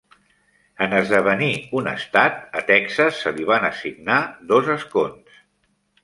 En esdevenir un estat, a Texas se li van assignar dos escons.